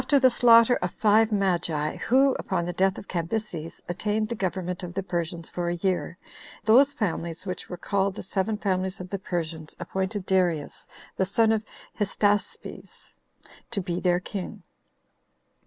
1. After the slaughter of the Magi, who, upon the death of Cambyses, attained the government of the Persians for a year, those families which were called the seven families of the Persians appointed Darius, the son of Hystaspes, to be their king.